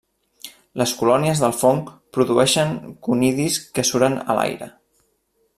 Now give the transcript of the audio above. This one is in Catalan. Les colònies del fong produeixen conidis que suren a l'aire.